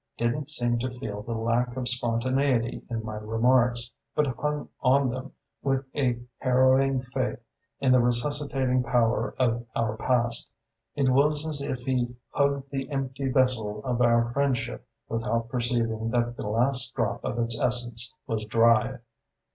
didn't seem to feel the lack of spontaneity in my remarks, but hung on them with a harrowing faith in the resuscitating power of our past. It was as if he hugged the empty vessel of our friendship without perceiving that the last drop of its essence was dry.